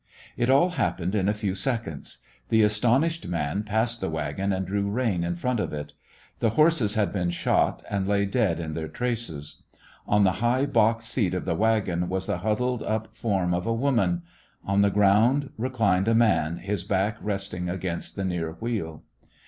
It all happened in a few seconds. The astonished man passed the wagon and drew rein in front of it. The horses had been shot, and lay dead in their traces. On the high box seat of the wagon was the huddled up form A ChristmM When of a woman; on the ground reclined a man, his back resting against the near wheel.